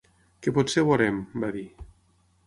"Que potser veurem", va dir.